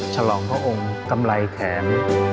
ฉลองพระองค์กำไรแขน